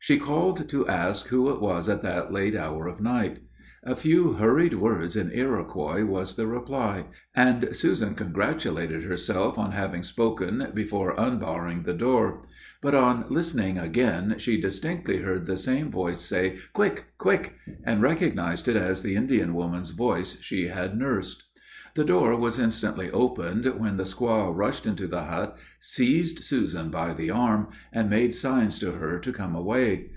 She called to ask who it was at that late hour of night. A few hurried words in Iroquois was the reply, and Susan congratulated herself on having spoken before unbarring the door. But, on listening again, she distinctly heard the same voice say, "Quick quick!" and recognized it as the Indian woman's voice she had nursed. The door was instantly opened, when the squaw rushed into the hut, seized Susan by the arm, and made signs to her to come away.